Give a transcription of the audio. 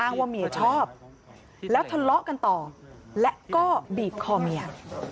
อ้างว่าเมียชอบทะเลาะกันต่อแล้วก็บีบคอเมีย